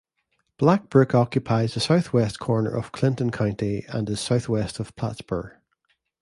Black Brook occupies the southwest corner of Clinton County and is southwest of Plattsburgh.